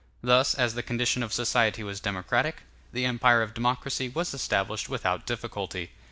Thus, as the condition of society was democratic, the empire of democracy was established without difficulty.